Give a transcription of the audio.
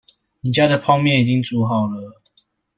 你家的泡麵已經煮好了